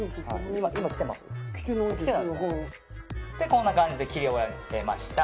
こんな感じで切り終えました。